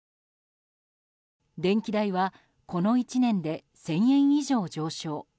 電気代はこの１年で１０００円以上上昇。